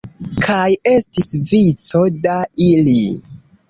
Kaj estis vico da ili.